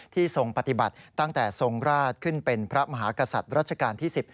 ทรงปฏิบัติตั้งแต่ทรงราชขึ้นเป็นพระมหากษัตริย์รัชกาลที่๑๐